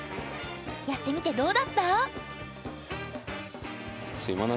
やってみてどうだった？